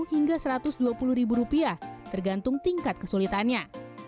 hingga rp satu ratus dua puluh tergantung tingkat kesulitannya